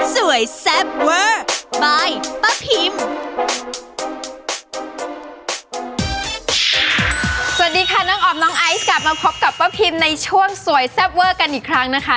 สวัสดีค่ะน้องออมน้องไอซ์กลับมาพบกับป้าพิมในช่วงสวยแซ่บเวอร์กันอีกครั้งนะคะ